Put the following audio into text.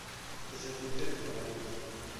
Descendiente de canarios.